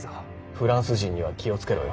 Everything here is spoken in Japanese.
フランス人には気を付けろよ。